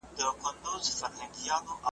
ویل ژر مي وېښتان جوړ که زما تلوار دی `